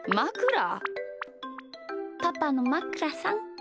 パパのまくらさん